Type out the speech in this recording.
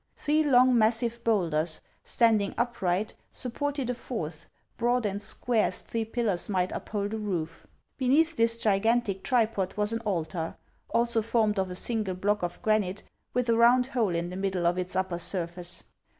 Three long, massive bowlders, standing upright, supported a fourth, broad and square, as HANS OF ICELAND. 321 three pillars might uphold a roof. Beneath this gigantic tripod was an altar, also formed of a single block of gran ite, with a round hole in the middle of its upper surface.